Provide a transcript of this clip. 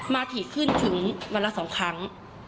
ถี่ขึ้นถึงวันละ๒ครั้ง